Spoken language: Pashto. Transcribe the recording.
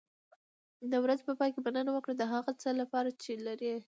د ورځې په پای کې مننه وکړه د هغه څه لپاره چې لرې.